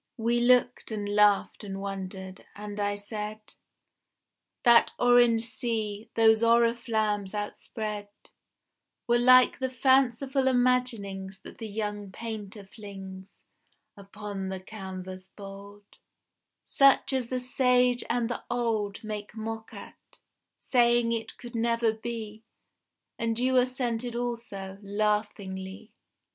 We looked and laughed and wondered, and I said: That orange sea, those oriflammes outspread Were like the fanciful imaginings That the young painter flings Upon the canvas bold, Such as the sage and the old Make mock at, saying it could never be And you assented also, laughingly.